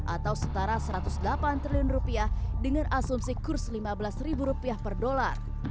atau setara satu ratus delapan triliun rupiah dengan asumsi kurs lima belas ribu rupiah per dolar